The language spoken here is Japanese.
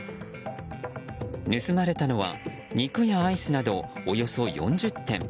盗まれたのは肉やアイスなど、およそ４０点。